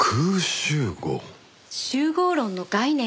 集合論の概念です。